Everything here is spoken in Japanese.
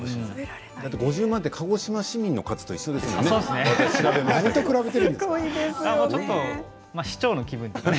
５０万て鹿児島市民の数と一緒ですからね。